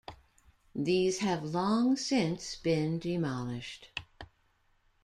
These have long since been demolished.